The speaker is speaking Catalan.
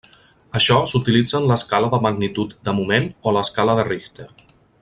Això s'utilitza en l'escala de magnitud de moment o l'escala de Richter.